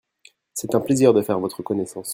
C'est un plaisir de faire votre connaissance.